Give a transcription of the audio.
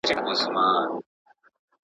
او سیاسي تېروتنې یادې